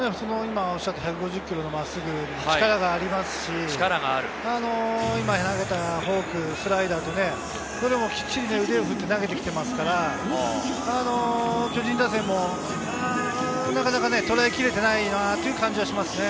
１５０キロの真っすぐ、力がありますし、今投げたフォーク、スライダーとどれもきっちり腕を振って投げできていますから巨人打線もなかなかとらえきれてないなっていう感じはしますね。